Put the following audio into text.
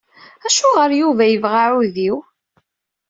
Acuɣer Yuba yebɣa aɛudiw?